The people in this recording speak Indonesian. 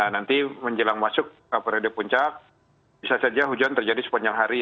nanti menjelang masuk ke periode puncak bisa saja hujan terjadi sepanjang hari